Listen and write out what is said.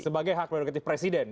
sebagai hak prinsip presiden